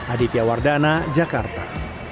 aditya wardana jakarta